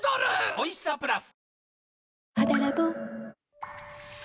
おいしさプラス